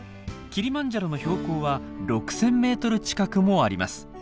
キリマンジャロの標高は６，０００ｍ近くもあります。